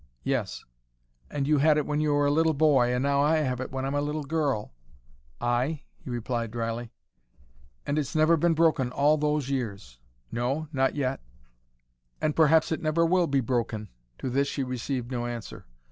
"Yes." "And you had it when you were a little boy, and now I have it when I'm a little girl." "Ay," he replied drily. "And it's never been broken all those years." "No, not yet." "And perhaps it never will be broken." To this she received no answer.